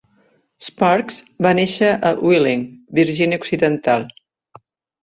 Sparks va néixer a Wheeling, Virgínia Occidental.